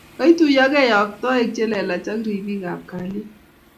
kaituiyokei yoktoik chelelach ak rip ab kalyet